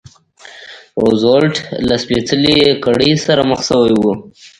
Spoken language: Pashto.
روزولټ له سپېڅلې کړۍ سره مخ شوی و.